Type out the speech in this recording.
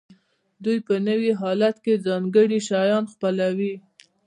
دوی په نوي حالت کې ځانګړي شیان خپلوي.